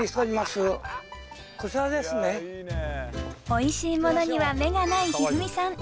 こちらですねおいしいものには目がない一二三さん